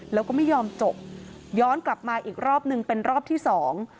แล้วก็ไม่ยอมจบย้อนกลับมาอีกรอบหนึ่งเป็นรอบที่สอง